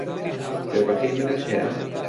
کتێبەکەی منت هەیە؟